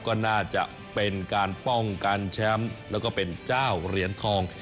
ก็น่าจะเป็นการป้องกันแชมป์แล้วก็เป็นเจ้าเหรียญทอง